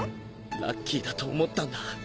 ラッキーだと思ったんだ